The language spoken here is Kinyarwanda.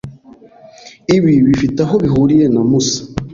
Ibi bifite aho bihuriye na Musa?